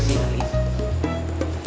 kamu ngepel nek